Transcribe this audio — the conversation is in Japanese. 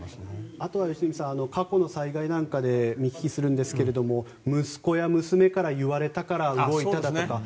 あとは過去の災害なんかで見聞きするんですが息子や娘から言われたから動いただとか。